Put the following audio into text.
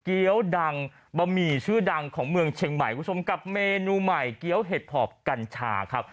วดังบะหมี่ชื่อดังของเมืองเชียงใหม่คุณผู้ชมกับเมนูใหม่เกี้ยวเห็ดพอบกัญชาครับ